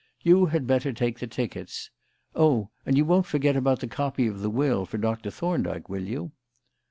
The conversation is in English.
You had better take the tickets. Oh, and you won't forget about the copy of the will for Doctor Thorndyke, will you?"